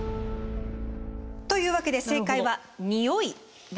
というわけで正解は「におい」でした。